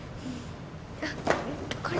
あっこれ。